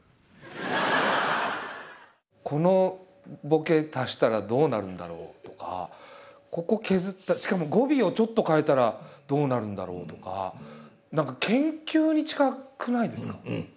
このボケ足したらどうなるんだろう？とかここを削ったらしかも語尾をちょっと変えたらどうなるんだろう？とか何かうん。